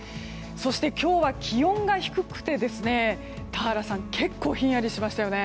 そして今日は気温が低くて田原さん結構ひんやりしましたよね。